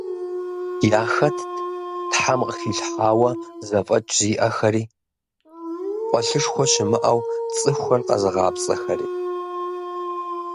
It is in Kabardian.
Яхэтт Тхьэм къыхилъхьауэ зэфӏэкӏ зиӏэхэри, къуэлъышхуэ щымыӏэу цӏыхухэр къэзыгъапцӏэхэри.